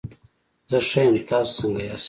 زه ښه یم، تاسو څنګه ياست؟